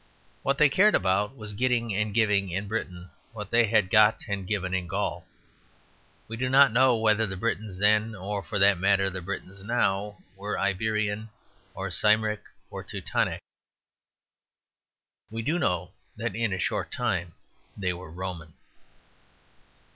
What they cared about was getting and giving in Britain what they had got and given in Gaul. We do not know whether the Britons then, or for that matter the Britons now, were Iberian or Cymric or Teutonic. We do know that in a short time they were Roman.